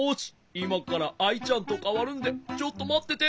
いまからアイちゃんとかわるんでちょっとまってて。